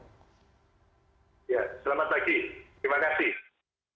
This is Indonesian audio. ya selamat pagi terima kasih